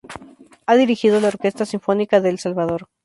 Ha dirigido la Orquesta Sinfónica de El Salvador.